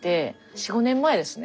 ４５年前ですね。